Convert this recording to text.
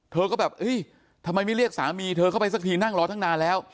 เธอก็แบบทำไมไม่เรียกสามีเธอเข้าไปสักทีนั่งรอตั้งนานแล้ว